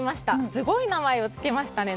すごい名前を付けましたね。